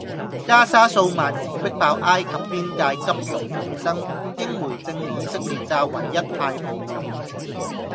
加沙數萬人逼爆埃及邊界急欲逃生英媒證以色列炸「唯一太平門」